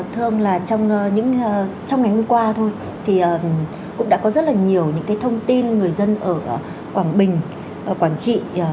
thưa ông là trong ngày hôm qua thôi thì cũng đã có rất là nhiều những thông tin người dân ở quảng bình quảng trị